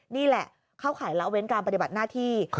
นี่แหละเข้าข่ายละเว้นการปฏิบัติหน้าที่